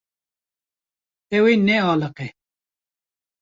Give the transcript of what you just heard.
Ew ê nealiqe.